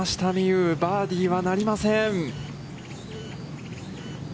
有、バーディーはなりません。